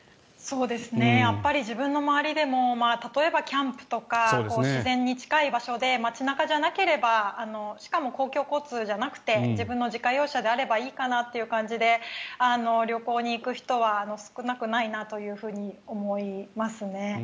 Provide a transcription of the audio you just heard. やっぱり自分の周りでも例えばキャンプとか自然に近い場所で街中じゃなければしかも公共交通じゃなくて自分の自家用車であればいいかなという感じで旅行に行く人は少なくないなと思いますね。